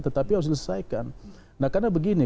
tetapi harus diselesaikan nah karena begini